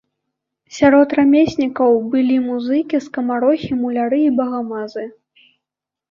Сярод рамеснікаў былі музыкі, скамарохі, муляры і багамазы.